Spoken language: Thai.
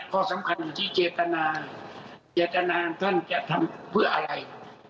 ข้อสำคัญอยู่ที่เจตนาเจตนาท่านจะทำเพื่ออะไร